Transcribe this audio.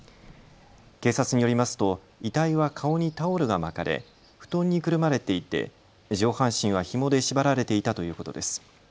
警察によりますと遺体は顔にタオルが巻かれ、布団にくるまれていて上半身はひもで縛られていたということです。